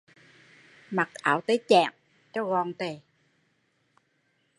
Mặc áo tay chẽn cho gọn